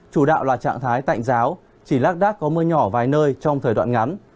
chủ đạo là trạng thái tạnh giáo chỉ lác đác có mưa nhỏ vài nơi trong thời đoạn ngắn